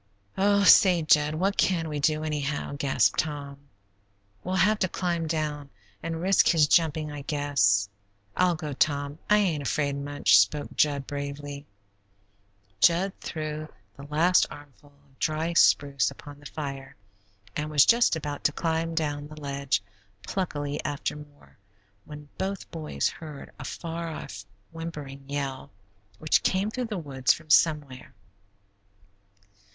"Oh, say, Jud, what can we do, anyhow?" gasped Tom. "We'll have to climb down an' risk his jumping, I guess. I'll go, Tom. I ain't afraid, much," spoke Jud, bravely. Jud threw the last armful of dry spruce upon the fire, and was just about to climb down the ledge pluckily after more, when both boys heard a far off, whimpering yell, which came through the woods from somewhere.